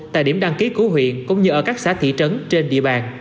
tại điểm đăng ký của huyện cũng như ở các xã thị trấn trên địa bàn